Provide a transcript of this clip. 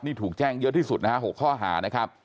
นี่ถูกแจ้งเยอะที่สุด๖ข้อหา